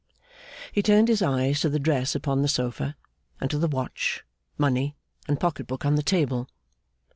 He turned his eyes to the dress upon the sofa, and to the watch, money, and pocket book on the table.